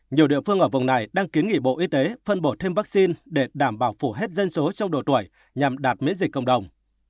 nhiều địa phương ở vùng này đang kiến nghị bộ y tế phân bổ thêm vaccine để đảm bảo phủ hết dân số trong độ tuổi nhằm đạt miễn dịch cộng đồng